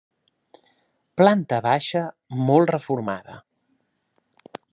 Planta baixa molt reformada.